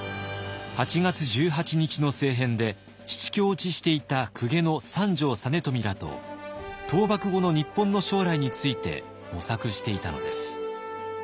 八月十八日の政変で七落ちしていた公家の三条実美らと倒幕後の日本の将来について模索していたのです。